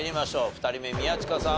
２人目宮近さん